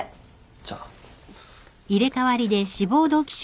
じゃあ。